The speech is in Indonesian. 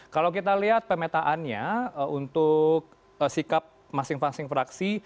kalau kita lihat pemetaannya untuk sikap masing masing fraksi